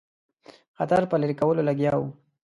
خطر په لیري کولو لګیا وو.